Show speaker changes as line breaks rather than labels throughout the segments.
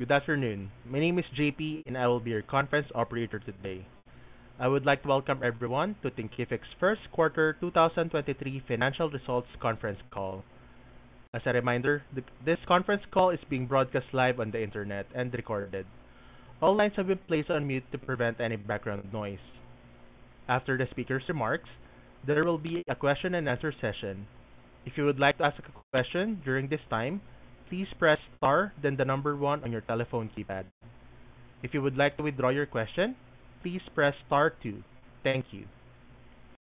Good afternoon. My name is JP, and I will be your conference operator today. I would like to welcome everyone to Thinkific's Q1 2023 Financial Results conference call. As a reminder, this conference call is being broadcast live on the Internet and recorded. All lines have been placed on mute to prevent any background noise. After the speaker's remarks, there will be a question-and-answer session. If you would like to ask a question during this time, please press star, then the number one on your telephone keypad. If you would like to withdraw your question, please press star two. Thank you.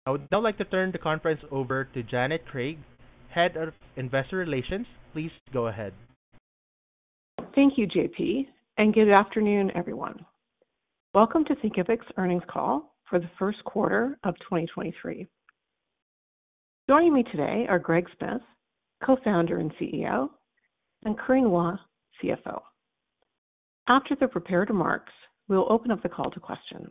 I would now like to turn the conference over to Janet Craig, Head of Investor Relations. Please go ahead.
Thank you, J.P., good afternoon, everyone. Welcome to Thinkific's earnings call for the Q1 of 2023. Joining me today are Greg Smith, Co-Founder and CEO, and Corinne Hua, CFO. After the prepared remarks, we'll open up the call to questions.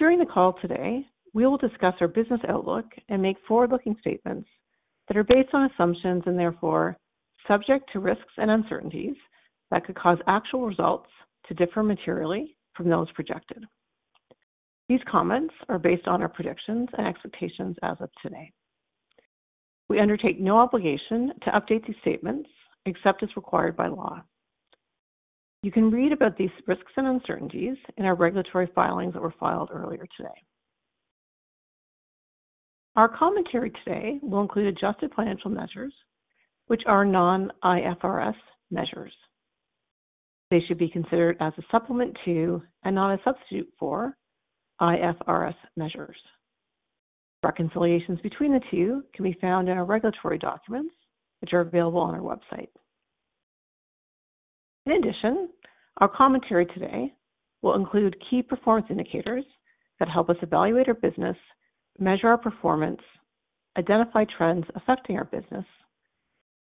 During the call today, we will discuss our business outlook and make forward-looking statements that are based on assumptions and therefore subject to risks and uncertainties that could cause actual results to differ materially from those projected. These comments are based on our predictions and expectations as of today. We undertake no obligation to update these statements except as required by law. You can read about these risks and uncertainties in our regulatory filings that were filed earlier today. Our commentary today will include adjusted financial measures, which are non-IFRS measures. They should be considered as a supplement to, and not a substitute for, IFRS measures. Reconciliations between the two can be found in our regulatory documents, which are available on our website. In addition, our commentary today will include key performance indicators that help us evaluate our business, measure our performance, identify trends affecting our business,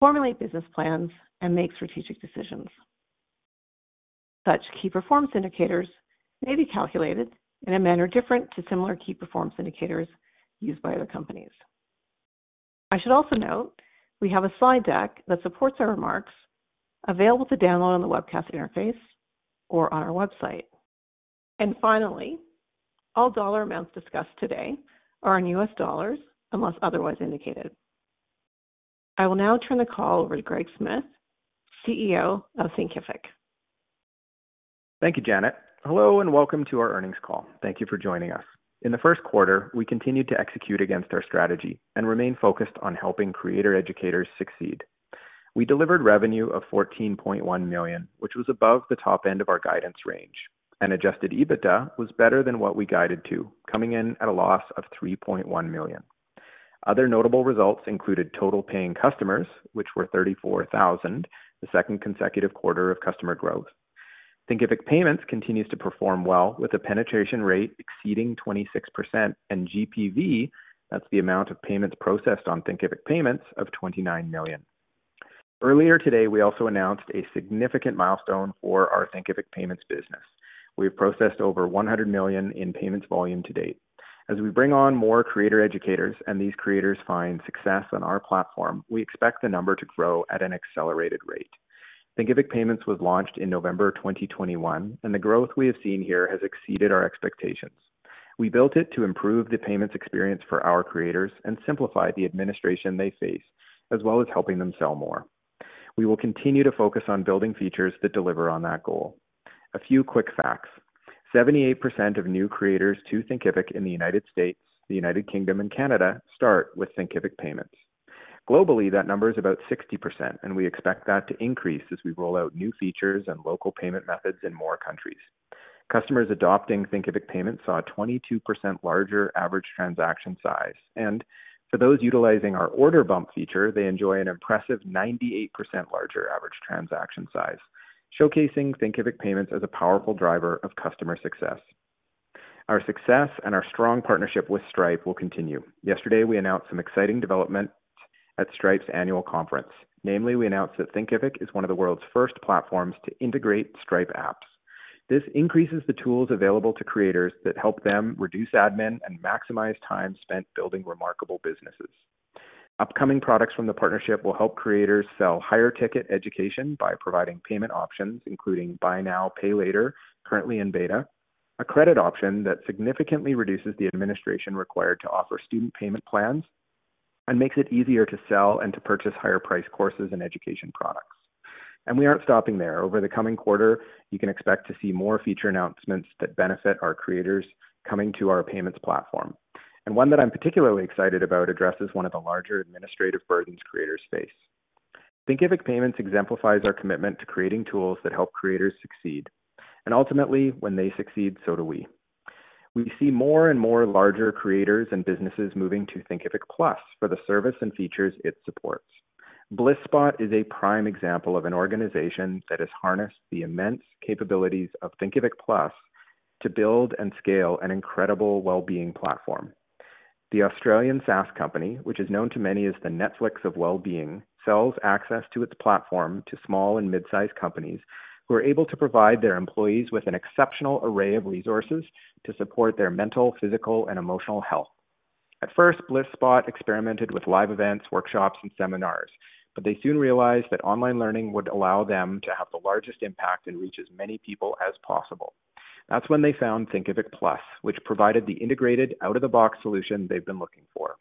formulate business plans, and make strategic decisions. Such key performance indicators may be calculated in a manner different to similar key performance indicators used by other companies. I should also note we have a slide deck that supports our remarks available to download on the webcast interface or on our website. Finally, all dollar amounts discussed today are in U.S. dollars unless otherwise indicated. I will now turn the call over to Greg Smith, CEO of Thinkific.
Thank you, Janet. Hello and welcome to our earnings call. Thank you for joining us. In the Q1, we continued to execute against our strategy and remain focused on helping creator educators succeed. We delivered revenue of $14.1 million, which was above the top end of our guidance range, and adjusted EBITDA was better than what we guided to, coming in at a loss of $3.1 million. Other notable results included total paying customers, which were 34,000, the second consecutive quarter of customer growth. Thinkific Payments continues to perform well, with a penetration rate exceeding 26% and GPV, that's the amount of payments processed on Thinkific Payments of $29 million. Earlier today, we also announced a significant milestone for our Thinkific Payments business. We've processed over $100 million in payments volume to date. As we bring on more creator educators and these creators find success on our platform, we expect the number to grow at an accelerated rate. Thinkific Payments was launched in November 2021, and the growth we have seen here has exceeded our expectations. We built it to improve the payments experience for our creators and simplify the administration they face, as well as helping them sell more. We will continue to focus on building features that deliver on that goal. A few quick facts. 78% of new creators to Thinkific in the United States, the United Kingdom and Canada start with Thinkific Payments. Globally, that number is about 60%, and we expect that to increase as we roll out new features and local payment methods in more countries. Customers adopting Thinkific Payments saw a 22% larger average transaction size. For those utilizing our Order Bumps feature, they enjoy an impressive 98% larger average transaction size, showcasing Thinkific Payments as a powerful driver of customer success. Our success and our strong partnership with Stripe will continue. Yesterday, we announced some exciting development at Stripe's annual conference. Namely, we announced that Thinkific is one of the world's first platforms to integrate Stripe Apps. This increases the tools available to creators that help them reduce admin and maximize time spent building remarkable businesses. Upcoming products from the partnership will help creators sell higher-ticket education by providing payment options, including Buy Now, Pay Later, currently in beta, a credit option that significantly reduces the administration required to offer student payment plans, and makes it easier to sell and to purchase higher-priced courses and education products. We aren't stopping there. Over the coming quarter, you can expect to see more feature announcements that benefit our creators coming to our payments platform. One that I'm particularly excited about addresses one of the larger administrative burdens creators face. Thinkific Payments exemplifies our commitment to creating tools that help creators succeed. Ultimately, when they succeed, so do we. We see more and more larger creators and businesses moving to Thinkific Plus for the service and features it supports. Blisspot is a prime example of an organization that has harnessed the immense capabilities of Thinkific Plus to build and scale an incredible wellbeing platform. The Australian SaaS company, which is known to many as the Netflix of Wellbeing, sells access to its platform to small and mid-sized companies who are able to provide their employees with an exceptional array of resources to support their mental, physical, and emotional health. At first, Blisspot experimented with live events, workshops, and seminars, but they soon realized that online learning would allow them to have the largest impact and reach as many people as possible. That's when they found Thinkific Plus, which provided the integrated out-of-the-box solution they've been looking for.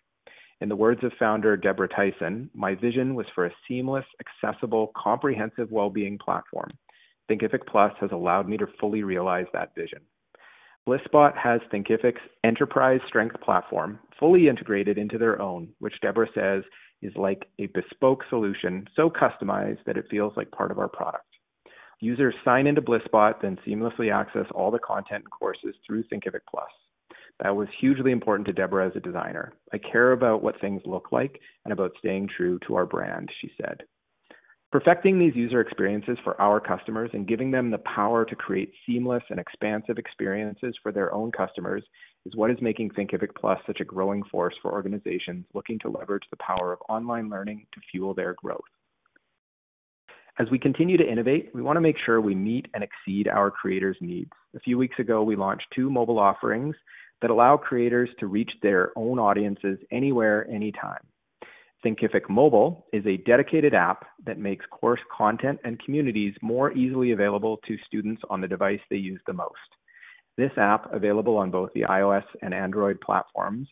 In the words of Founder Deborah Tyson, "My vision was for a seamless, accessible, comprehensive well-being platform. Thinkific Plus has allowed me to fully realize that vision." Blisspot has Thinkific's enterprise strength platform fully integrated into their own, which Deborah says is like a bespoke solution, so customized that it feels like part of our product. Users sign into Blisspot, then seamlessly access all the content courses through Thinkific Plus. That was hugely important to Deborah as a designer. "I care about what things look like and about staying true to our brand," she said. Perfecting these user experiences for our customers and giving them the power to create seamless and expansive experiences for their own customers is what is making Thinkific Plus such a growing force for organizations looking to leverage the power of online learning to fuel their growth. As we continue to innovate, we wanna make sure we meet and exceed our creators' needs. A few weeks ago, we launched two mobile offerings that allow creators to reach their own audiences anywhere, anytime. Thinkific Mobile is a dedicated app that makes course content and communities more easily available to students on the device they use the most. This app, available on both the iOS and Android platforms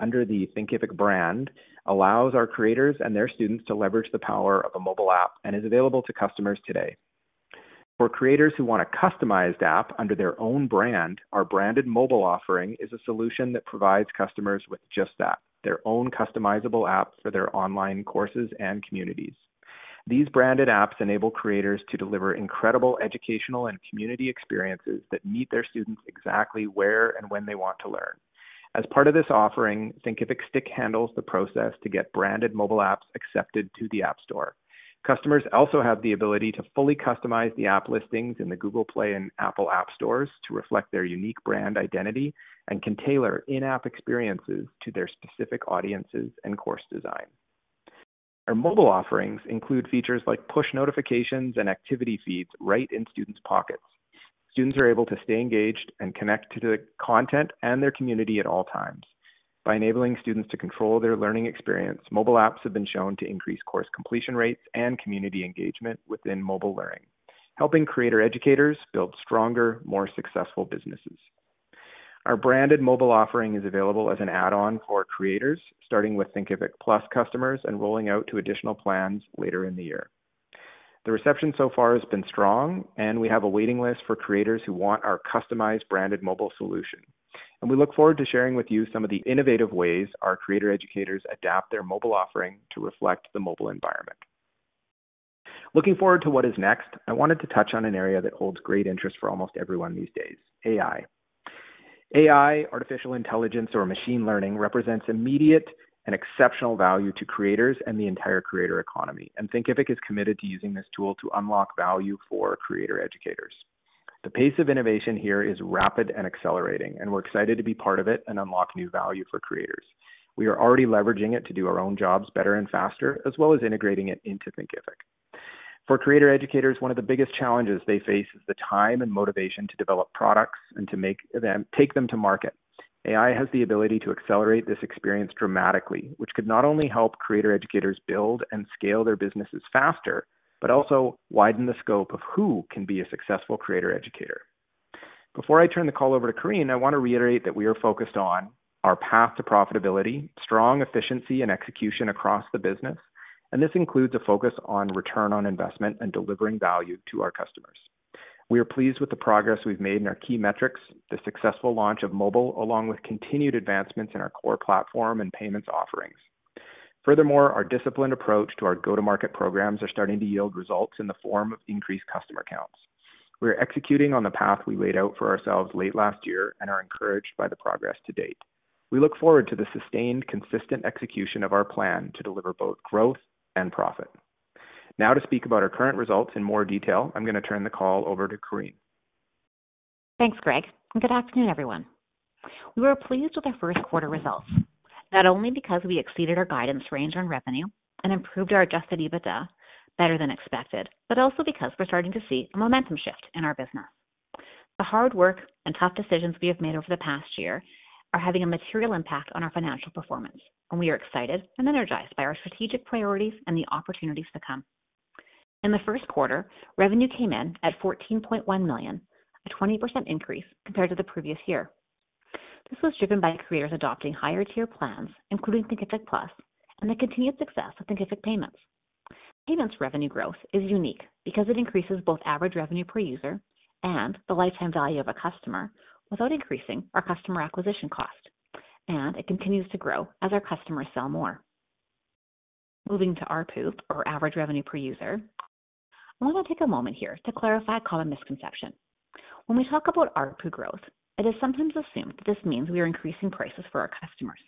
under the Thinkific brand, allows our creators and their students to leverage the power of a mobile app and is available to customers today. For creators who want a customized app under their own brand, our Branded Mobile offering is a solution that provides customers with just that, their own customizable apps for their online courses and communities. These branded apps enable creators to deliver incredible educational and community experiences that meet their students exactly where and when they want to learn. As part of this offering, Thinkific handles the process to get Branded Mobile apps accepted to the App Store. Customers also have the ability to fully customize the app listings in the Google Play and Apple App Stores to reflect their unique brand identity and can tailor in-app experiences to their specific audiences and course design. Our mobile offerings include features like push notifications and activity feeds right in students' pockets. Students are able to stay engaged and connect to the content and their community at all times. By enabling students to control their learning experience, mobile apps have been shown to increase course completion rates and community engagement within mobile learning, helping creator educators build stronger, more successful businesses. Our Branded Mobile offering is available as an add-on for creators, starting with Thinkific Plus customers and rolling out to additional plans later in the year. The reception so far has been strong. We have a waiting list for creators who want our customized Branded Mobile solution. We look forward to sharing with you some of the innovative ways our creator educators adapt their mobile offering to reflect the mobile environment. Looking forward to what is next, I wanted to touch on an area that holds great interest for almost everyone these days: AI. AI, artificial intelligence or machine learning, represents immediate and exceptional value to creators and the entire creator economy. Thinkific is committed to using this tool to unlock value for creator educators. The pace of innovation here is rapid and accelerating. We're excited to be part of it and unlock new value for creators. We are already leveraging it to do our own jobs better and faster, as well as integrating it into Thinkific. For creator educators, one of the biggest challenges they face is the time and motivation to develop products and to take them to market. AI has the ability to accelerate this experience dramatically, which could not only help creator educators build and scale their businesses faster, but also widen the scope of who can be a successful creator educator. Before I turn the call over to Corinne, I wanna reiterate that we are focused on our path to profitability, strong efficiency, and execution across the business. This includes a focus on return on investment and delivering value to our customers. We are pleased with the progress we've made in our key metrics, the successful launch of mobile, along with continued advancements in our core platform and Payments offerings. Furthermore, our disciplined approach to our go-to-market programs are starting to yield results in the form of increased customer counts. We are executing on the path we laid out for ourselves late last year and are encouraged by the progress to date. We look forward to the sustained, consistent execution of our plan to deliver both growth and profit. To speak about our current results in more detail, I'm gonna turn the call over to Corinne.
Thanks, Greg, good afternoon, everyone. We were pleased with our Q1 results, not only because we exceeded our guidance range on revenue and improved our adjusted EBITDA better than expected, but also because we're starting to see a momentum shift in our business. The hard work and tough decisions we have made over the past year are having a material impact on our financial performance, and we are excited and energized by our strategic priorities and the opportunities to come. In the Q1, revenue came in at $14.1 million, a 20% increase compared to the previous year. This was driven by creators adopting higher-tier plans, including Thinkific Plus, and the continued success of Thinkific Payments. Payments revenue growth is unique because it increases both average revenue per user and the lifetime value of a customer without increasing our customer acquisition cost. It continues to grow as our customers sell more. Moving to ARPU or average revenue per user, I want to take a moment here to clarify a common misconception. When we talk about ARPU growth, it is sometimes assumed that this means we are increasing prices for our customers.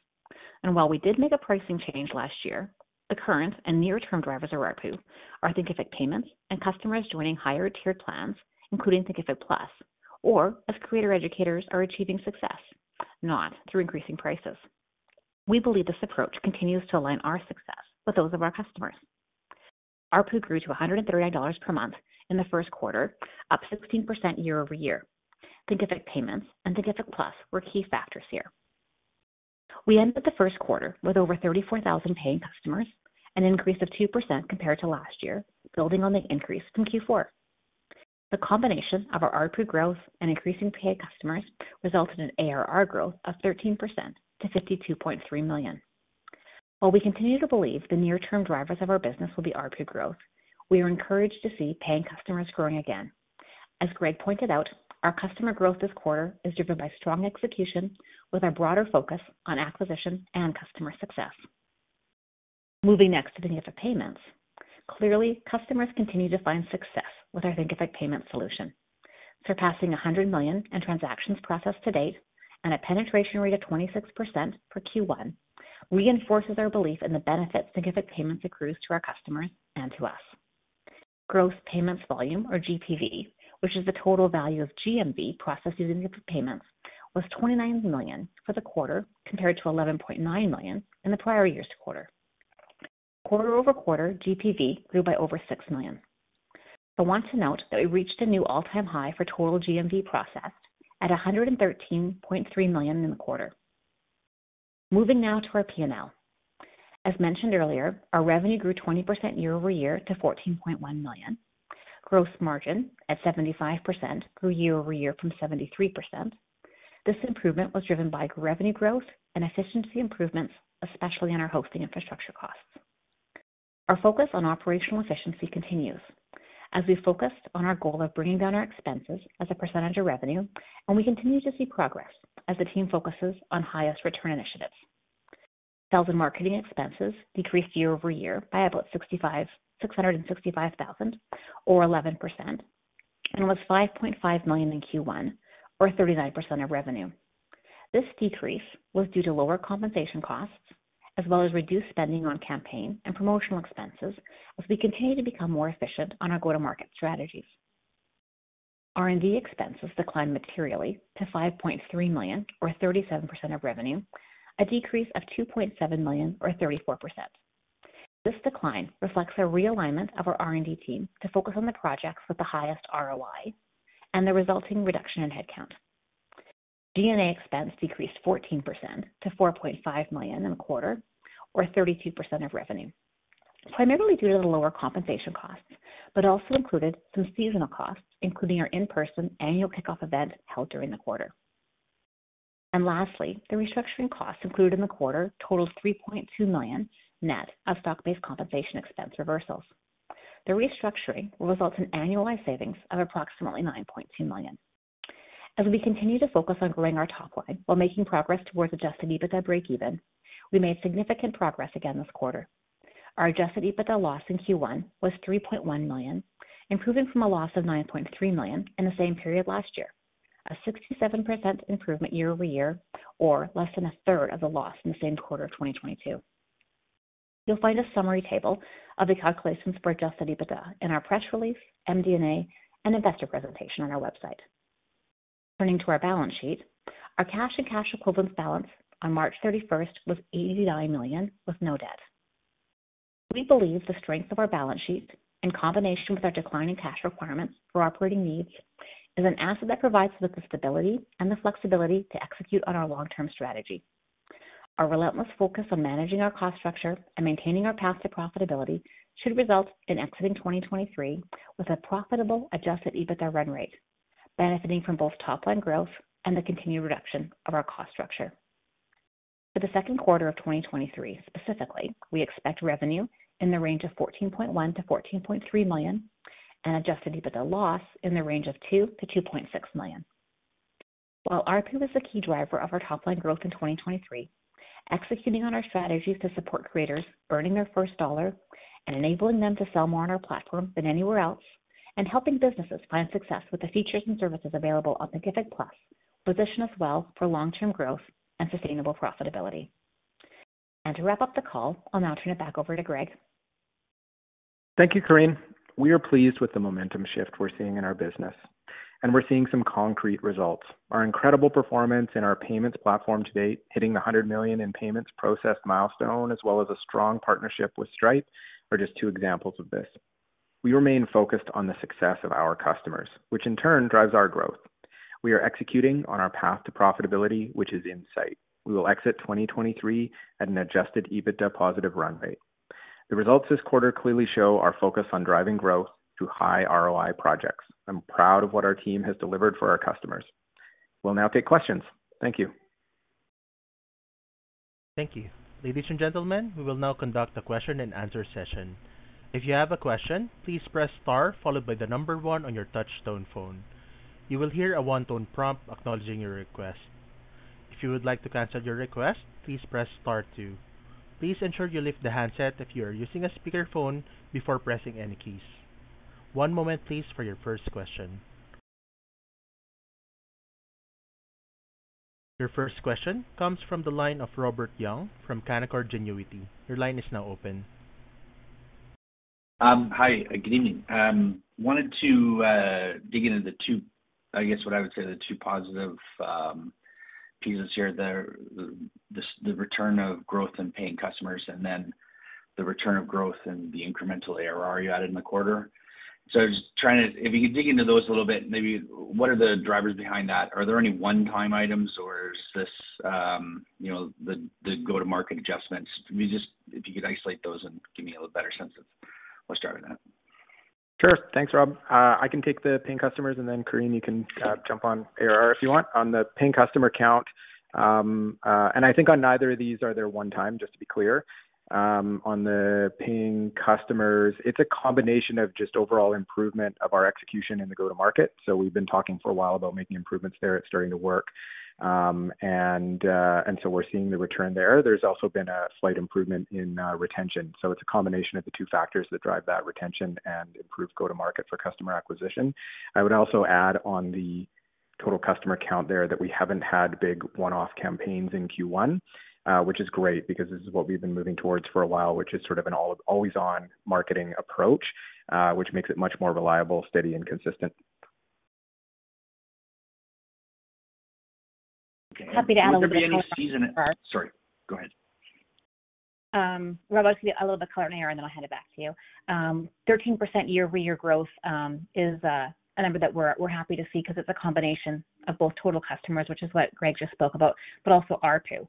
While we did make a pricing change last year, the current and near-term drivers of ARPU are Thinkific Payments and customers joining higher-tiered plans, including Thinkific Plus or as creator educators are achieving success, not through increasing prices. We believe this approach continues to align our success with those of our customers. ARPU grew to $138 per month in the Q1, up 16% year-over-year. Thinkific Payments and Thinkific Plus were key factors here. We ended the Q1 with over 34,000 paying customers, an increase of 2% compared to last year, building on the increase from Q4. The combination of our ARPU growth and increasing paid customers resulted in ARR growth of 13% to $52.3 million. While we continue to believe the near term drivers of our business will be ARPU growth, we are encouraged to see paying customers growing again. As Greg pointed out, our customer growth this quarter is driven by strong execution with our broader focus on acquisition and customer success. Moving next to Thinkific Payments. Clearly, customers continue to find success with our Thinkific Payments solution. Surpassing $100 million in transactions processed to date and a penetration rate of 26% for Q1 reinforces our belief in the benefit Thinkific Payments accrues to our customers and to us. Gross payments volume, or GPV, which is the total value of GMV processed using Thinkific Payments, was $29 million for the quarter, compared to $11.9 million in the prior year's quarter. Quarter-over-quarter, GPV grew by over $6 million. I want to note that we reached a new all-time high for total GMV processed at $113.3 million in the quarter. Moving now to our P&L. As mentioned earlier, our revenue grew 20% year-over-year to $14.1 million. Gross margin at 75% grew year-over-year from 73%. This improvement was driven by revenue growth and efficiency improvements, especially on our hosting infrastructure costs. Our focus on operational efficiency continues as we focused on our goal of bringing down our expenses as a percentage of revenue. We continue to see progress as the team focuses on highest return initiatives. Sales and marketing expenses decreased year-over-year by about $665,000 or 11% and was $5.5 million in Q1, or 39% of revenue. This decrease was due to lower compensation costs as well as reduced spending on campaign and promotional expenses as we continue to become more efficient on our go-to-market strategies. R&D expenses declined materially to $5.3 million or 37% of revenue, a decrease of $2.7 million or 34%. This decline reflects a realignment of our R&D team to focus on the projects with the highest ROI and the resulting reduction in headcount. G&A expense decreased 14% to $4.5 million in the quarter or 32% of revenue, primarily due to the lower compensation costs, also included some seasonal costs, including our in-person annual kickoff event held during the quarter. Lastly, the restructuring costs included in the quarter totaled $3.2 million net of stock-based compensation expense reversals. The restructuring will result in annualized savings of approximately $9.2 million. As we continue to focus on growing our top line while making progress towards adjusted EBITDA breakeven, we made significant progress again this quarter. Our adjusted EBITDA loss in Q1 was $3.1 million, improving from a loss of $9.3 million in the same period last year, a 67% improvement year-over-year or less than a third of the loss in the same quarter of 2022. You'll find a summary table of the calculations for adjusted EBITDA in our press release, MD&A, and investor presentation on our website. Turning to our balance sheet. Our cash and cash equivalents balance on March 31st was $89 million with no debt. We believe the strength of our balance sheet, in combination with our decline in cash requirements for our operating needs, is an asset that provides us with the stability and the flexibility to execute on our long-term strategy. Our relentless focus on managing our cost structure and maintaining our path to profitability should result in exiting 2023 with a profitable adjusted EBITDA run rate, benefiting from both top line growth and the continued reduction of our cost structure. For the Q2 of 2023, specifically, we expect revenue in the range of $14.1 million-$14.3 million and adjusted EBITDA loss in the range of $2 million-$2.6 million. While ARPU is a key driver of our top line growth in 2023, executing on our strategies to support creators earning their first dollar and enabling them to sell more on our platform than anywhere else and helping businesses find success with the features and services available on Thinkific Plus position us well for long-term growth and sustainable profitability. To wrap up the call, I'll now turn it back over to Greg.
Thank you, Corinne. We are pleased with the momentum shift we're seeing in our business, we're seeing some concrete results. Our incredible performance in our payments platform to date, hitting the $100 million in payments processed milestone as well as a strong partnership with Stripe are just two examples of this. We remain focused on the success of our customers, which in turn drives our growth. We are executing on our path to profitability, which is in sight. We will exit 2023 at an adjusted EBITDA positive run rate. The results this quarter clearly show our focus on driving growth through high ROI projects. I'm proud of what our team has delivered for our customers. We'll now take questions. Thank you.
Thank you. Ladies and gentlemen, we will now conduct a question and answer session. If you have a question, please press star followed by the number one on your touch tone phone. You will hear a one-tone prompt acknowledging your request. If you would like to cancel your request, please press star two. Please ensure you lift the handset if you are using a speakerphone before pressing any keys. One moment please for your first question. Your first question comes from the line of Robert Young from Canaccord Genuity. Your line is now open.
Hi. Good evening. wanted to dig into I guess what I would say the two positive pieces here, the return of growth in paying customers and then the return of growth and the incremental ARR you added in the quarter. If you could dig into those a little bit, maybe what are the drivers behind that? Are there any one-time items or is this, you know, the go-to-market adjustments? If you could isolate those and give me a little better sense of what's driving that.
Sure. Thanks, Rob. I can take the paying customers, and then Corinne, you can jump on ARR if you want. On the paying customer count, I think on neither of these are there one time, just to be clear. On the paying customers, it's a combination of just overall improvement of our execution in the go-to market. We've been talking for a while about making improvements there. It's starting to work. We're seeing the return there. There's also been a slight improvement in retention. It's a combination of the two factors that drive that retention and improved go-to market for customer acquisition. I would also add on the total customer count there that we haven't had big one-off campaigns in Q1, which is great because this is what we've been moving towards for a while, which is sort of an all-always-on marketing approach, which makes it much more reliable, steady, and consistent.
Okay. Would there be any?
Happy to add a little bit more.
Sorry, go ahead.
Rob, I'll give you a little bit color on ARR. I'll hand it back to you. 13% year-over-year growth is a number that we're happy to see 'cause it's a combination of both total customers, which is what Greg just spoke about, but also ARPU.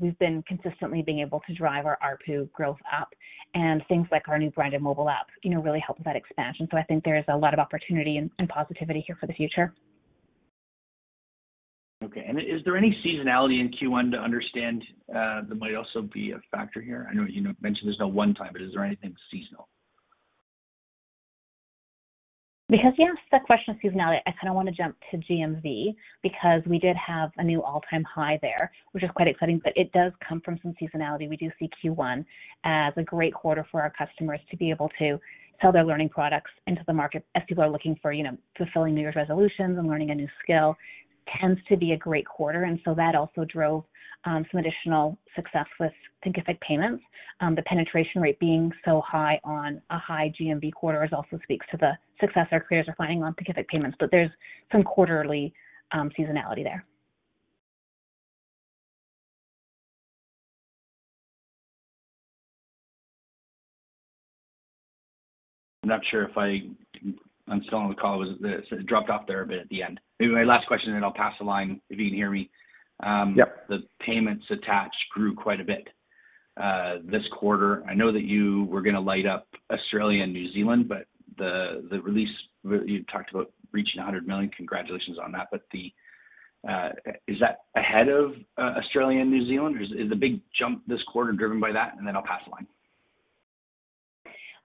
We've been consistently being able to drive our ARPU growth up, and things like our new Branded Mobile app, you know, really help with that expansion. I think there is a lot of opportunity and positivity here for the future.
Okay. Is there any seasonality in Q1 to understand that might also be a factor here? I know you mentioned there's no one time, but is there anything seasonal?
Because you asked that question seasonality, I kind of want to jump to GMV because we did have a new all-time high there, which is quite exciting. It does come from some seasonality. We do see Q1 as a great quarter for our customers to be able to sell their learning products into the market as people are looking for, you know, fulfilling New Year's resolutions and learning a new skill tends to be a great quarter. That also drove some additional success with Thinkific Payments. The penetration rate being so high on a high GMV quarter also speaks to the success our careers are finding on Thinkific Payments. There's some quarterly seasonality there.
I'm not sure if I'm still on the call. It dropped off there a bit at the end. Maybe my last question, and then I'll pass the line if you can hear me.
Yep.
The payments attached grew quite a bit this quarter. I know that you were gonna light up Australia and New Zealand, the release you talked about reaching $100 million. Congratulations on that. Is that ahead of Australia and New Zealand, or is the big jump this quarter driven by that? I'll pass the line.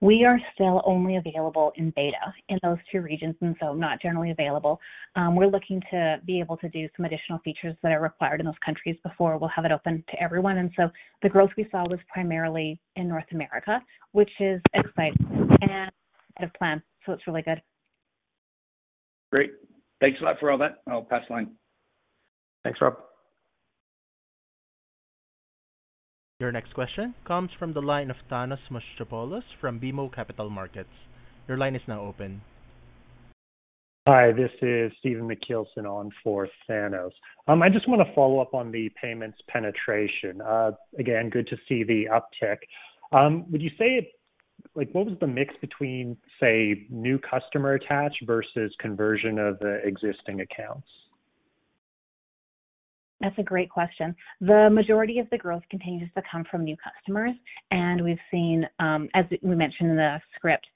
We are still only available in beta in those two regions, not generally available. We're looking to be able to do some additional features that are required in those countries before we'll have it open to everyone. The growth we saw was primarily in North America, which is exciting and ahead of plan, so it's really good.
Great. Thanks a lot for all that. I'll pass the line.
Thanks, Rob.
Your next question comes from the line of Thanos Moschopoulos from BMO Capital Markets. Your line is now open.
Hi, this is Stephen MacLeod on for Thanos. I just wanna follow up on the payments penetration. Again, good to see the uptick. Would you say, like what was the mix between, say, new customer attach versus conversion of the existing accounts?
That's a great question. The majority of the growth continues to come from new customers, and we've seen, as we mentioned in the script,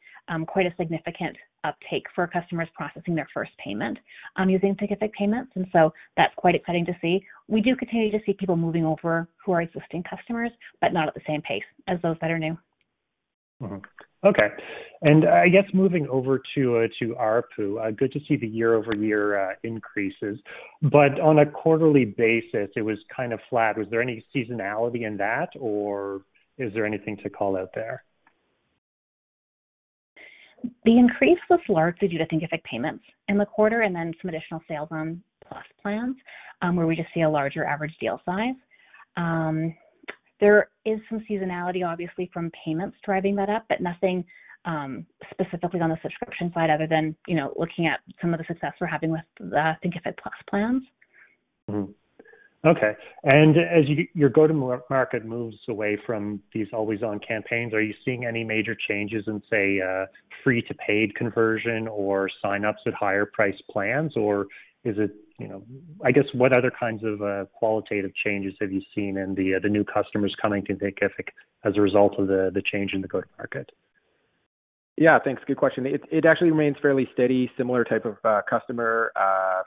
quite a significant uptick for customers processing their first payment using Thinkific Payments, and so that's quite exciting to see. We do continue to see people moving over who are existing customers, but not at the same pace as those that are new.
Okay. I guess moving over to ARPU, good to see the year-over-year increases. On a quarterly basis, it was kind of flat. Was there any seasonality in that, or is there anything to call out there?
The increase was largely due to Thinkific Payments in the quarter and then some additional sales on Plus plans, where we just see a larger average deal size. There is some seasonality obviously from payments driving that up, but nothing specifically on the subscription side other than, you know, looking at some of the success we're having with the Thinkific Plus plans.
Okay. As your go-to-market moves away from these always-on campaigns, are you seeing any major changes in, say, free to paid conversion or sign-ups at higher price plans? Or is it, you know, I guess, what other kinds of qualitative changes have you seen in the new customers coming to Thinkific as a result of the change in the go-to-market?
Yeah, thanks. Good question. It actually remains fairly steady, similar type of customer.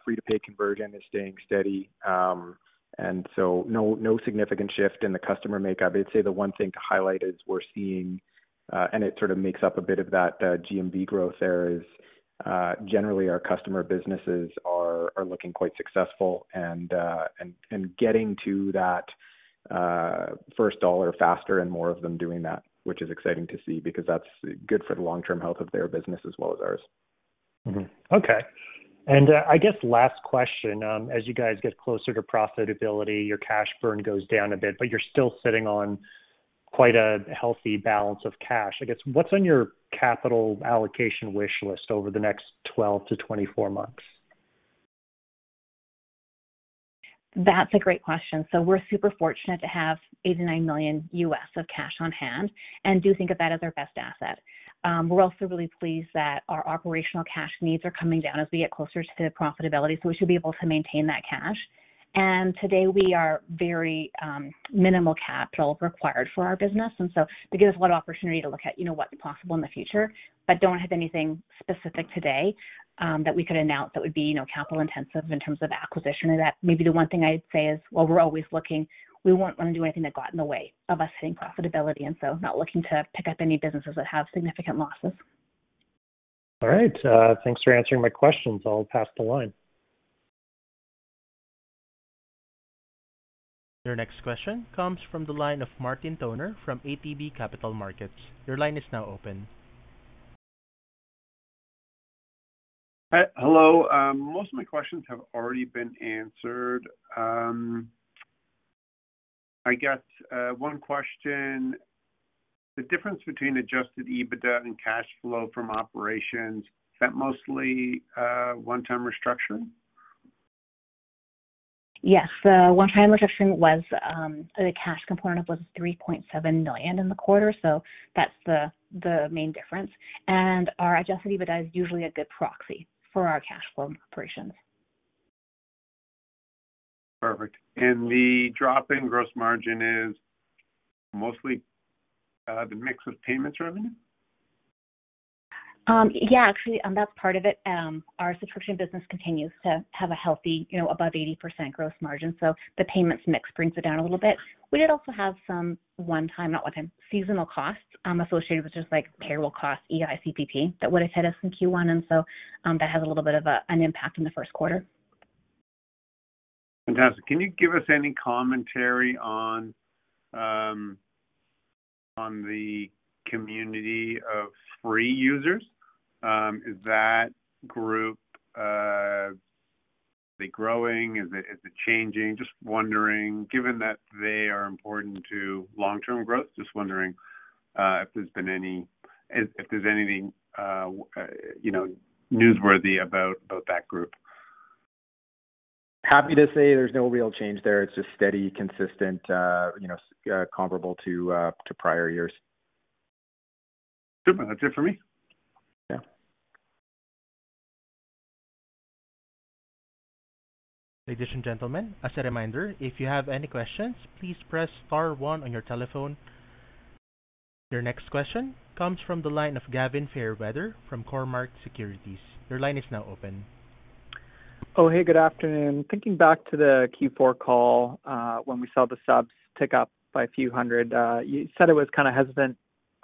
Free-to-pay conversion is staying steady. No, no significant shift in the customer makeup. I'd say the one thing to highlight is we're seeing, and it sort of makes up a bit of that GMV growth there is, generally our customer businesses are looking quite successful and getting to that first dollar faster and more of them doing that, which is exciting to see because that's good for the long-term health of their business as well as ours.
Okay. I guess last question. As you guys get closer to profitability, your cash burn goes down a bit, but you're still sitting on quite a healthy balance of cash. I guess, what's on your capital allocation wish list over the next 12 to 24 months?
That's a great question. We're super fortunate to have $89 million of cash on hand and do think of that as our best asset. We're also really pleased that our operational cash needs are coming down as we get closer to profitability, so we should be able to maintain that cash. Today we are very minimal capital required for our business. It gives us a lot of opportunity to look at, you know, what's possible in the future, but don't have anything specific today that we could announce that would be, you know, capital-intensive in terms of acquisition. That maybe the one thing I'd say is, while we're always looking, we won't want to do anything that got in the way of us hitting profitability, not looking to pick up any businesses that have significant losses.
All right. Thanks for answering my questions. I'll pass the line.
Your next question comes from the line of Martin Toner from ATB Capital Markets. Your line is now open.
Hello. most of my questions have already been answered. I guess, one question, the difference between adjusted EBITDA and cash flow from operations, is that mostly, one-time restructuring?
Yes. The one-time restructuring was the cash component was $3.7 million in the quarter, that's the main difference. Our adjusted EBITDA is usually a good proxy for our cash flow operations.
Perfect. The drop in gross margin is mostly, the mix of payments revenue?
Yeah, actually, that's part of it. Our subscription business continues to have a healthy, you know, above 80% gross margin. The payments mix brings it down a little bit. We did also have some one-time seasonal costs associated with just like payroll costs, EI, CPP, that would have hit us in Q1. That has a little bit of an impact in the Q1.
Fantastic. Can you give us any commentary on the community of free users? Is that group, are they growing? Is it changing? Just wondering, given that they are important to long-term growth, just wondering, if there's anything, you know, newsworthy about that group.
Happy to say there's no real change there. It's just steady, consistent, you know, comparable to prior years.
Super. That's it for me.
Yeah.
Ladies and gentlemen, as a reminder, if you have any questions, please press star one on your telephone. Your next question comes from the line of Gavin Fairweather from Cormark Securities. Your line is now open.
Oh, hey, good afternoon. Thinking back to the Q4 call, when we saw the subs tick up by a few hundred, you said it was kind of hesitant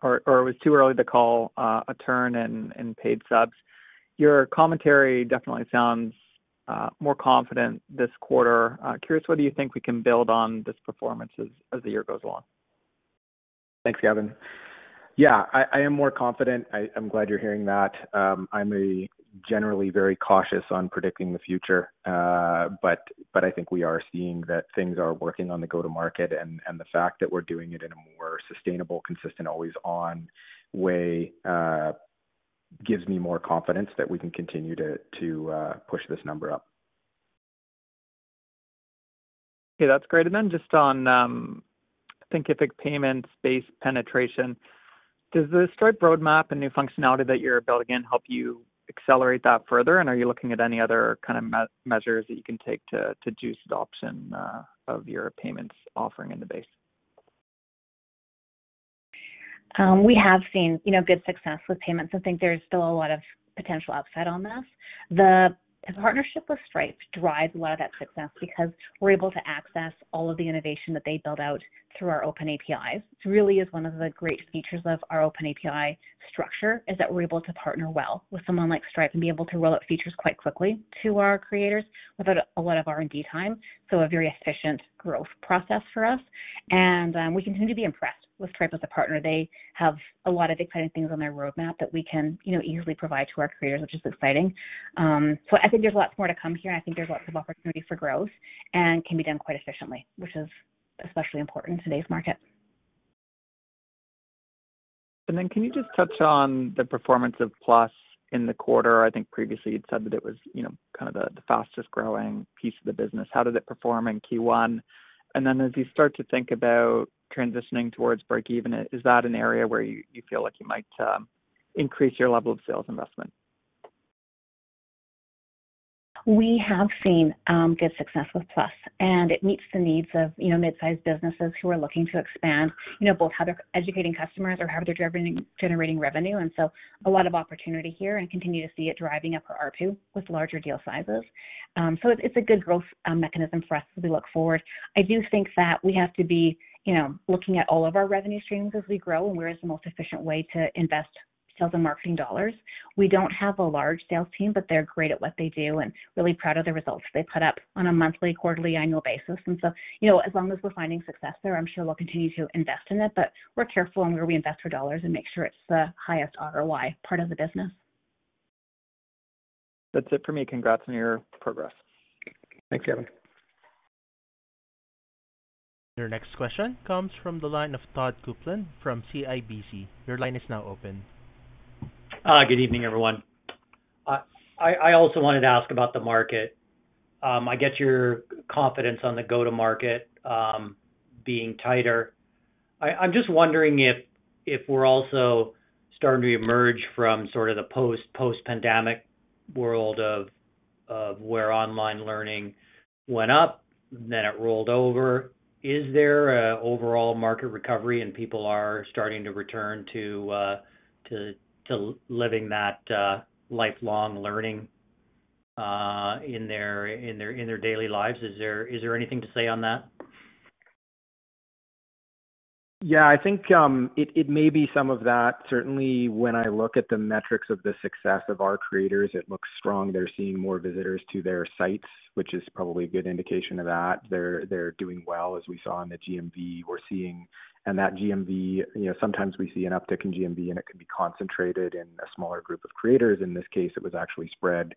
or it was too early to call a turn in paid subs. Your commentary definitely sounds more confident this quarter. Curious, what do you think we can build on this performance as the year goes along?
Thanks, Gavin. Yeah, I am more confident. I'm glad you're hearing that. I'm generally very cautious on predicting the future, but I think we are seeing that things are working on the go-to-market, and the fact that we're doing it in a more sustainable, consistent, always on way, gives me more confidence that we can continue to push this number up.
Okay, that's great. Just on Thinkific Payments-based penetration, does the Stripe roadmap and new functionality that you're building in help you accelerate that further? Are you looking at any other kind of measures that you can take to juice adoption of your payments offering in the base?
We have seen, you know, good success with payments. I think there is still a lot of potential upside on this. The partnership with Stripe drives a lot of that success because we're able to access all of the innovation that they build out through our open APIs. It really is one of the great features of our open API structure, is that we're able to partner well with someone like Stripe and be able to roll out features quite quickly to our creators without a lot of R&D time. A very efficient growth process for us. We continue to be impressed with Stripe as a partner. They have a lot of exciting things on their roadmap that we can, you know, easily provide to our creators, which is exciting. I think there's lots more to come here, and I think there's lots of opportunity for growth and can be done quite efficiently, which is especially important in today's market.
Can you just touch on the performance of Plus in the quarter? I think previously you'd said that it was, you know, kind of the fastest-growing piece of the business. How did it perform in Q1? As you start to think about transitioning towards breakeven, is that an area where you feel like you might increase your level of sales investment?
We have seen good success with Plus, and it meets the needs of, you know, mid-sized businesses who are looking to expand, you know, both how they're educating customers or how they're generating revenue. A lot of opportunity here and continue to see it driving up our ARPU with larger deal sizes. It's, it's a good growth mechanism for us as we look forward. I do think that we have to be, you know, looking at all of our revenue streams as we grow and where is the most efficient way to invest sales and marketing dollars. We don't have a large sales team, but they're great at what they do and really proud of the results they put up on a monthly, quarterly, annual basis. You know, as long as we're finding success there, I'm sure we'll continue to invest in it. We're careful on where we invest our dollars and make sure it's the highest ROI part of the business.
That's it for me. Congrats on your progress.
Thanks, Gavin.
Your next question comes from the line of Todd Coupland from CIBC. Your line is now open.
Good evening, everyone. I also wanted to ask about the market. I get your confidence on the go-to-market being tighter. I'm just wondering if we're also starting to emerge from sort of the post-pandemic world of where online learning went up, then it rolled over. Is there a overall market recovery and people are starting to return to living that lifelong learning in their daily lives? Is there anything to say on that?
Yeah, I think, it may be some of that. Certainly, when I look at the metrics of the success of our creators, it looks strong. They're seeing more visitors to their sites, which is probably a good indication of that. They're, they're doing well, as we saw in the GMV we're seeing. That GMV, you know, sometimes we see an uptick in GMV, and it can be concentrated in a smaller group of creators. In this case, it was actually spread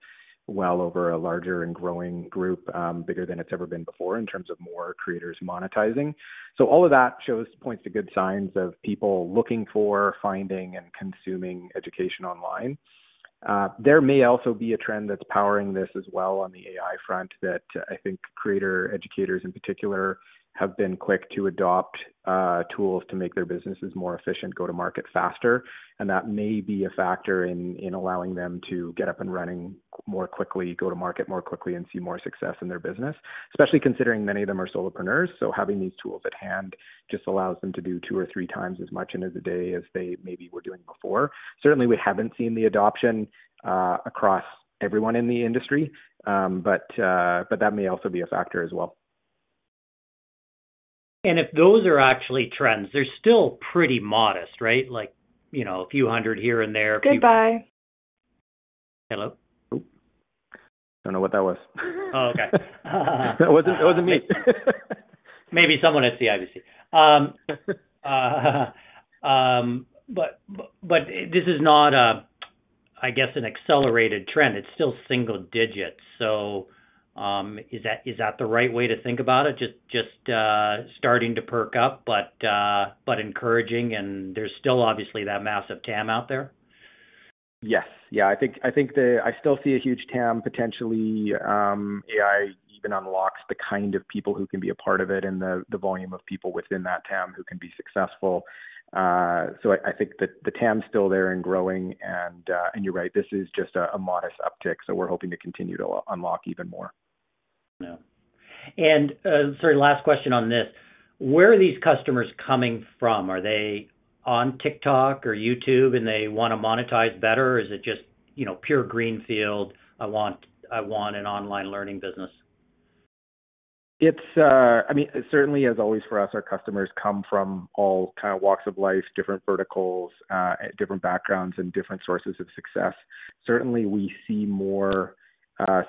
well over a larger and growing group, bigger than it's ever been before in terms of more creators monetizing. All of that shows points to good signs of people looking for, finding, and consuming education online. There may also be a trend that's powering this as well on the AI front that I think creator educators, in particular, have been quick to adopt tools to make their businesses more efficient, go to market faster, and that may be a factor in allowing them to get up and running more quickly, go to market more quickly, and see more success in their business. Especially considering many of them are solopreneurs, having these tools at hand just allows them to do 2x or 3x as much in a day as they maybe were doing before. Certainly, we haven't seen the adoption across everyone in the industry, but that may also be a factor as well.
If those are actually trends, they're still pretty modest, right? Like, you know, a few hundred here and there.
Goodbye.
Hello?
Oh. Don't know what that was.
Oh, okay.
It wasn't me.
Maybe someone at CIBC. This is not a, I guess, an accelerated trend. It's still single digits. Is that the right way to think about it? Just starting to perk up, but encouraging, and there's still obviously that massive TAM out there.
Yes. Yeah, I think I still see a huge TAM, potentially, AI even unlocks the kind of people who can be a part of it and the volume of people within that TAM who can be successful. I think that the TAM is still there and growing. You're right, this is just a modest uptick. We're hoping to continue to unlock even more.
Yeah. Sorry, last question on this. Where are these customers coming from? Are they on TikTok or YouTube, and they wanna monetize better? Is it just, you know, pure greenfield, I want an online learning business?
It's, I mean, certainly as always for us, our customers come from all kind of walks of life, different verticals, different backgrounds, and different sources of success. Certainly, we see more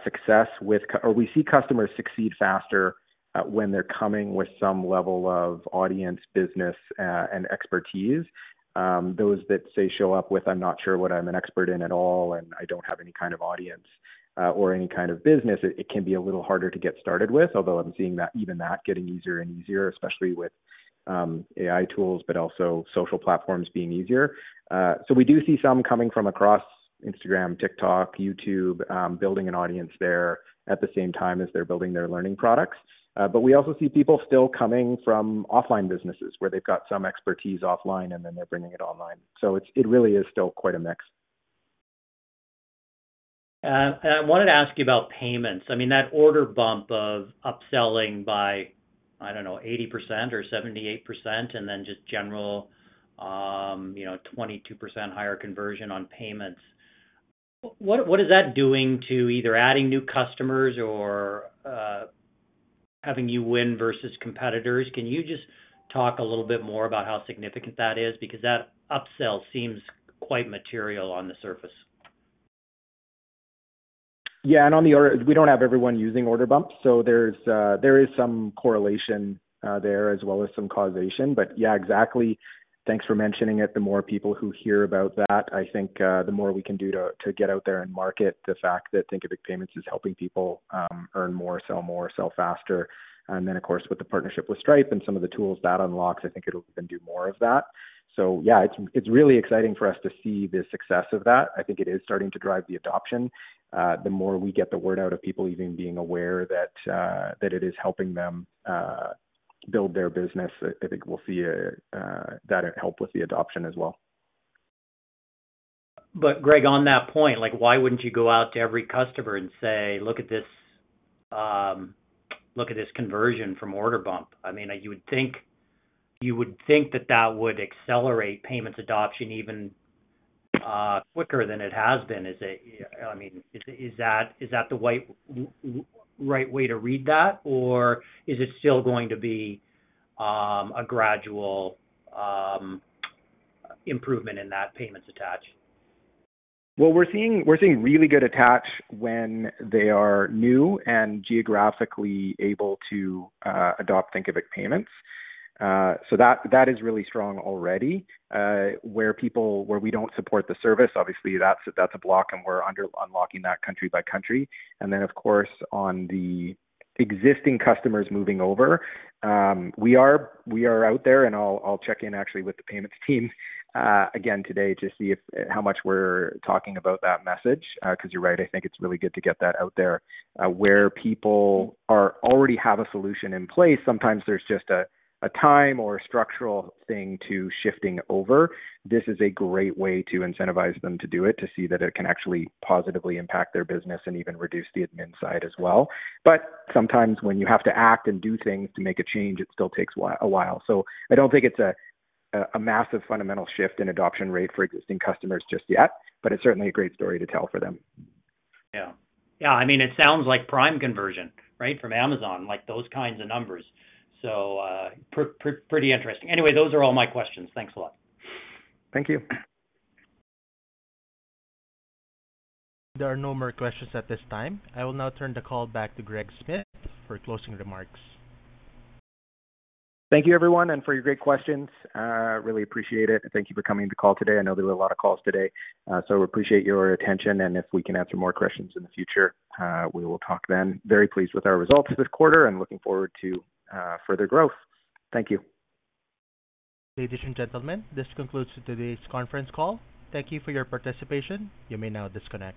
success, or we see customers succeed faster, when they're coming with some level of audience, business, and expertise. Those that say show up with, "I'm not sure what I'm an expert in at all, and I don't have any kind of audience, or any kind of business," it can be a little harder to get started with. Although I'm seeing that even that getting easier and easier, especially with AI tools, but also social platforms being easier. We do see some coming from across Instagram, TikTok, YouTube, building an audience there at the same time as they're building their learning products. We also see people still coming from offline businesses where they've got some expertise offline, and then they're bringing it online. It's, it really is still quite a mix.
I wanted to ask you about payments. I mean, that Order Bumps of upselling by, I don't know, 80% or 78% and then just general, you know, 22% higher conversion on Thinkific Payments. What, what is that doing to either adding new customers or having you win versus competitors? Can you just talk a little bit more about how significant that is? Because that upsell seems quite material on the surface.
On the order, we don't have everyone using Order Bumps, so there's, there is some correlation, there as well as some causation. Exactly. Thanks for mentioning it. The more people who hear about that, I think, the more we can do to get out there and market the fact that Thinkific Payments is helping people, earn more, sell more, sell faster. Of course, with the partnership with Stripe and some of the tools that unlocks, I think it'll even do more of that. It's, it's really exciting for us to see the success of that. I think it is starting to drive the adoption. The more we get the word out of people even being aware that it is helping them build their business, I think we'll see that help with the adoption as well.
Greg, on that point, like, why wouldn't you go out to every customer and say, "Look at this, look at this conversion from Order Bumps"? I mean, you would think that that would accelerate Payments adoption even quicker than it has been. I mean, is that, is that the right way to read that? Or is it still going to be a gradual improvement in that payments attach?
Well, we're seeing really good attach when they are new and geographically able to adopt Thinkific Payments. That is really strong already. Where we don't support the service, obviously that's a block, we're under unlocking that country by country. Then, of course, on the existing customers moving over, we are out there, and I'll check in actually with the payments team again today to see if, how much we're talking about that message. 'Cause you're right. I think it's really good to get that out there. Where people already have a solution in place, sometimes there's just a time or structural thing to shifting over. This is a great way to incentivize them to do it, to see that it can actually positively impact their business and even reduce the admin side as well. Sometimes when you have to act and do things to make a change, it still takes a while. I don't think it's a massive fundamental shift in adoption rate for existing customers just yet, but it's certainly a great story to tell for them.
Yeah. Yeah, I mean, it sounds like Prime conversion, right? From Amazon, like those kinds of numbers. pretty interesting. Anyway, those are all my questions. Thanks a lot.
Thank you.
There are no more questions at this time. I will now turn the call back to Greg Smith for closing remarks.
Thank you everyone and for your great questions. Really appreciate it. Thank you for coming to the call today. I know there were a lot of calls today. We appreciate your attention, and if we can answer more questions in the future, we will talk then. Very pleased with our results this quarter and looking forward to further growth. Thank you.
Ladies and gentlemen, this concludes today's conference call. Thank you for your participation. You may now disconnect.